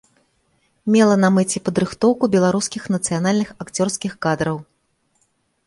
Мела на мэце падрыхтоўку беларускіх нацыянальных акцёрскіх кадраў.